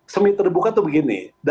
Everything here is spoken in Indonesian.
semi terbuka tuh begini